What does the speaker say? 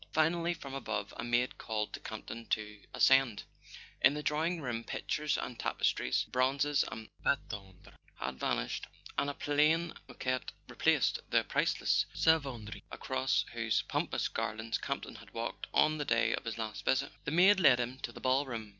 Finally, from above, a maid called to Campton to ascend. In the drawing room pictures and tapestries, bronzes and pates tendres , had vanished, and a plain moquette replaced the priceless Savonnerie across whose pompous garlands Campton had walked on the day of his last visit. [ 201 1 A SON AT THE FRONT The maid led him to the ball room.